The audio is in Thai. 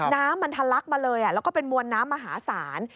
น้ำมันทะลักมาเลยแล้วก็เป็นมวลน้ำมหาศาล